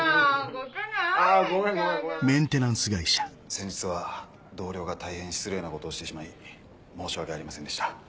先日は同僚が大変失礼なことをしてしまい申し訳ありませんでした。